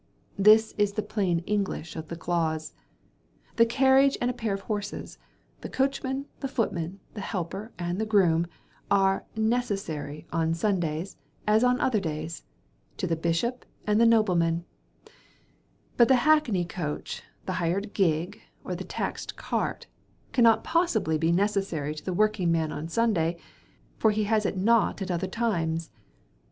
This is the plain English of the clause. The carriage and pair of horses, the coachman, the footman, the helper, and the groom, are 'necessary' on Sundays, as on other days, to the bishop and the nobleman; but the hackney coach, the hired gig, or the taxed cart, cannot possibly be 'necessary' to the working man on Sunday, for he has it not at other times.